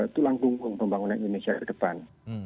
tulang punggung pembangunan indonesia ke depan